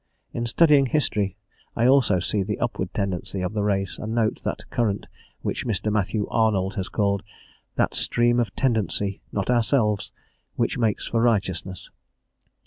In studying history I also see the upward tendency of the race, and note that current which Mr. Matthew Arnold has called "that stream of tendency, not ourselves, which makes for righteousness."